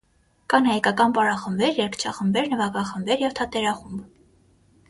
Կան հայկական պարախմբեր, երգչախմբեր, նվագախմբեր և թատերախումբ։